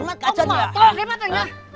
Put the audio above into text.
ông mở to cái mắt này nhá